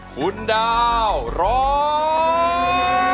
คุณดาวร้อง